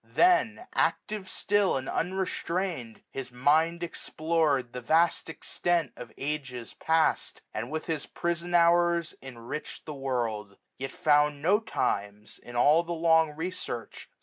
Then, active still and unrestrain'd, his mind Explored the vast extent of ages past, 1505 And with his prison hours enrichM the world ; Yet found no times, in all the long research.